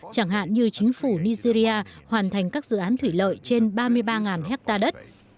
chẳng hạn như chính phủ nigeria hoàn thành các dự án thủy lợi trên ba mươi ba hectare đất